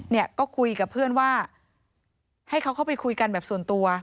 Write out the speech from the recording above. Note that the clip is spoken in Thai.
เนี่ยก็คุยกับเพื่อนว่าให้เขาเข้าไปคุยกันแบบส่วนตัว